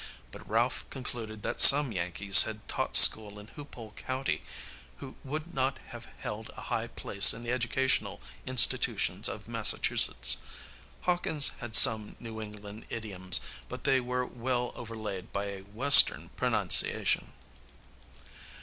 But Ralph concluded that some Yankees had taught school in Hoopole County who would not have held a high place in the educational institutions of Massachusetts. Hawkins had some New England idioms, but they were well overlaid by a Western pronunciation.